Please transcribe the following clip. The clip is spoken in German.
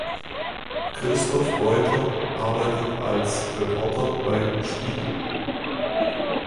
Christoph Reuter arbeitet als Reporter beim "Spiegel".